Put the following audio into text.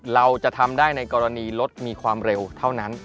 เราจะทำได้ในกรณีรถมีความเร็วเท่านั้น